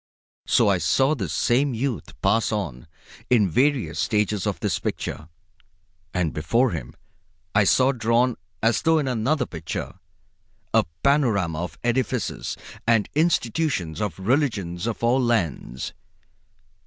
So I saw this same youth pass on, in various stages of this picture, and before him I saw drawn, as though in another picture, a panorama of the edifices and institutions of the religions of all lands.